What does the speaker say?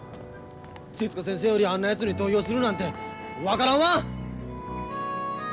手先生よりあんなやつに投票するなんて分からんわ！